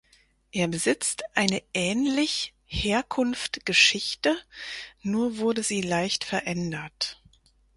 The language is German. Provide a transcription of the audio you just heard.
Er besitzt eine ähnlich Herkunft Geschichte, nur wurde sie leicht verändert.